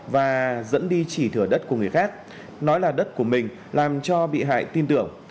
và dẫn đi chỉ thừa đất của người khác nói là đất của mình làm cho bị hại tin tưởng